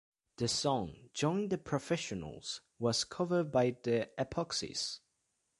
Their song "Join the Professionals" was covered by the Epoxies.